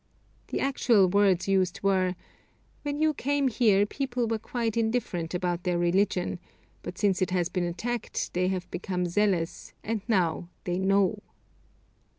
The actual words used were, 'When you came here people were quite indifferent about their religion, but since it has been attacked they have become zealous, and now they know.'